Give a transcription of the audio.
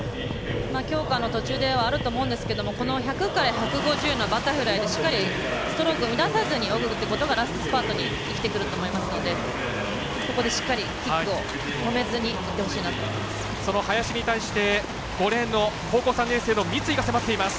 強化の途中ではあると思いますが１００から１５０のバタフライで、しっかりストロークを乱さずに泳ぐってことがラストスパートに生きてくるのでキックを止めずにいってほしいと思います。